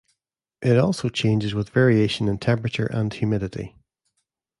It also changes with variation in temperature and humidity.